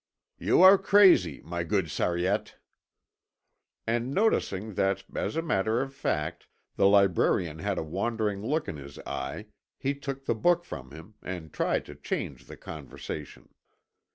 "You are crazy, my good Sariette!" And noticing that, as a matter of fact, the librarian had a wandering look in his eye, he took the book from him, and tried to change the conversation.